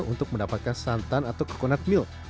untuk mendapatkan santan atau coconut milk